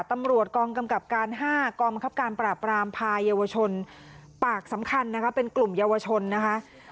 ตำรวจกองกำกับการ๕กองบังคับการปราบรามพายาวชนปากสำคัญนะคะเป็นกลุ่มเยาวชนนะคะ